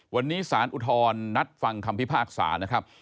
วันนี้สารอุทธรณ์นัดฟังคำพิพากษานะครับ